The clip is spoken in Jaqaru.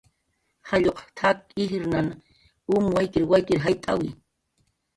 "jalluq t""ak ijran um waykir waykir jayt'awi"